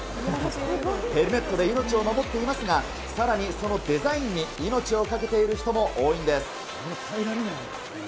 ヘルメットで命を守っていますが、さらにそのデザインに命を懸けている人も多いんです。